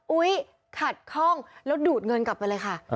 อุ๊ยขัดข้องแล้วดูดเงินกลับไปเลยค่ะ